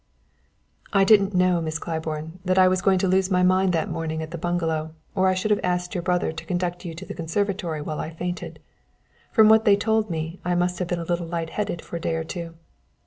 "I didn't know, Miss Claiborne, that I was going to lose my mind that morning at the bungalow or I should have asked your brother to conduct you to the conservatory while I fainted. From what they told me I must have been a little light headed for a day or two.